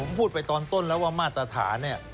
ผมพูดไปตอนต้นแล้วว่ามาตรฐานเนี่ย